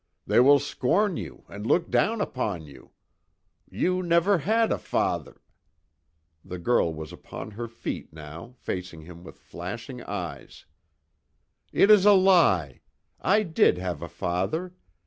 They will scorn you and look down upon you. You never had a father " The girl was upon her feet, now, facing him with flashing eyes: "It is a lie! I did have a father!